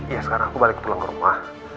iya sekarang aku balik pulang ke rumah